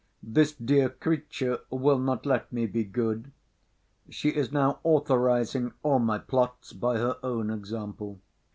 This dear creature will not let me be good. She is now authorizing all my plots by her own example.